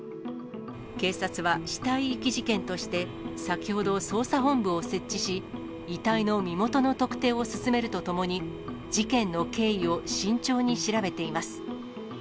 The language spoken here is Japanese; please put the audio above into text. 警察は死体遺棄事件として、先ほど捜査本部を設置し、遺体を身元の特定を進めるとともに、事件の経緯を慎重に調べています。